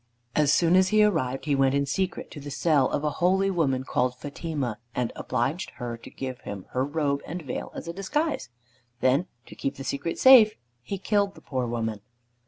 As soon as he arrived he went in secret to the cell of a holy woman called Fatima, and obliged her to give him her robe and veil as a disguise. Then to keep the secret safe he killed the poor woman.